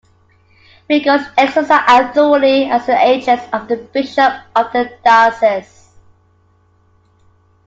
Vicars exercise authority as the agents of the bishop of the diocese.